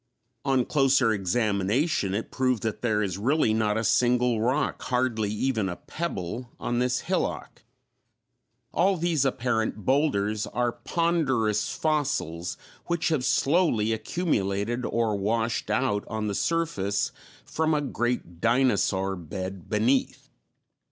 On closer examination, it proved that there is really not a single rock, hardly even a pebble, on this hillock; all these apparent boulders are ponderous fossils which have slowly accumulated or washed out on the surface from a great dinosaur bed beneath.